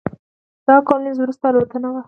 دا د کولینز وروستۍ الوتنه وه.